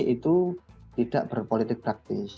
itu tidak berpolitik praktis